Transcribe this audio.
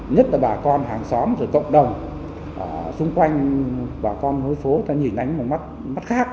nhất là bà con hàng xóm rồi cộng đồng xung quanh bà con hối phố ta nhìn anh ấy một mắt khác